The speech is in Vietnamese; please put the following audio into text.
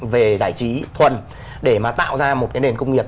về giải trí thuần để mà tạo ra một cái nền công nghiệp